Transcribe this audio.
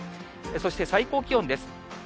そして最高気温です。